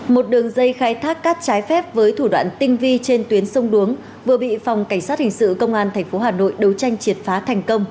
một đường dây khai thác cát trái phép với thủ đoạn tinh vi trên tuyến sông đuống vừa bị phòng cảnh sát hình sự công an tp hà nội đấu tranh